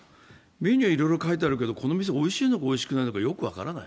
メニューはいろいろ書いてあるけれども、この店がおいしいのかおいしくないのかよく分からない。